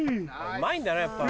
うまいんだなやっぱ。